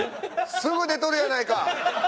すぐ出とるやないか！